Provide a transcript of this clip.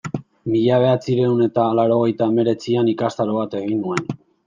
Mila bederatziehun eta laurogeita hemeretzian ikastaro bat egin nuen.